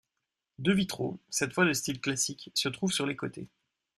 Deux vitraux, cette fois de style classique, se trouvent sur les côtés.